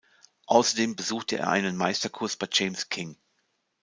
Außerdem besuchte er einen Meisterkurs bei James King.